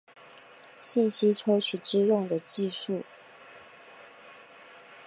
信息抽取之用的技术。